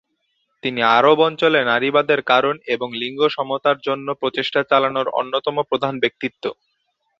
তিনি আরব অঞ্চলে নারীবাদের কারণ এবং লিঙ্গ সমতার জন্য প্রচেষ্টা চালানোর অন্যতম প্রধান ব্যক্তিত্ব।